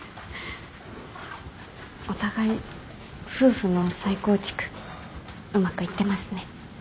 お互い夫婦の再構築うまくいってますね。